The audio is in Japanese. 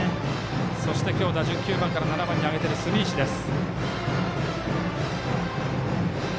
今日、打順９番から７番に上げている住石です。